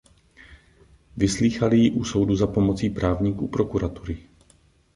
Vyslýchali ji u soudu za pomoci právníků prokuratury.